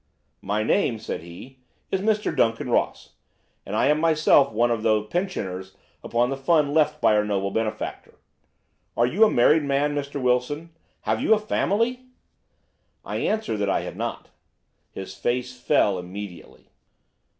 "'My name,' said he, 'is Mr. Duncan Ross, and I am myself one of the pensioners upon the fund left by our noble benefactor. Are you a married man, Mr. Wilson? Have you a family?' "I answered that I had not. "His face fell immediately.